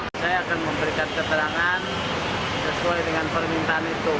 saya akan memberikan keterangan sesuai dengan permintaan itu